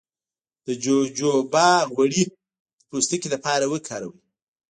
د جوجوبا غوړي د پوستکي لپاره وکاروئ